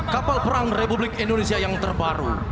kapal perang republik indonesia yang terbaru